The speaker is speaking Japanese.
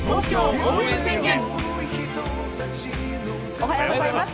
おはようございます。